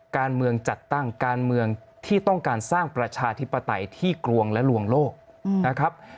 การเมืองจัดตั้งการเมืองที่ต้องการสร้างประชาธิปไตยที่กรวงและลวงโลกนะครับ